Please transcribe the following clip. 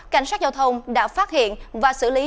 cảnh sát giao thông đã phát hiện và xử lý